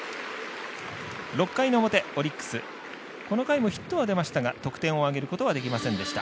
６回の表、オリックスこの回もヒットは出ましたが得点を挙げることはできませんでした。